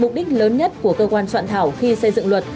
mục đích lớn nhất của cơ quan soạn thảo khi xây dựng luật